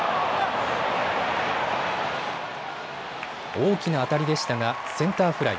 大きな当たりでしたがセンターフライ。